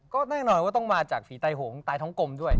ก็น่าเงินหน่อยว่าจากฝีไต้หงตายท้องกลมด้วย